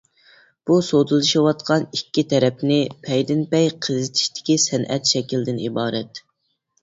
بۇ سودىلىشىۋاتقان ئىككى تەرەپنى پەيدىنپەي قىزىتىشتىكى سەنئەت شەكلىدىن ئىبارەت.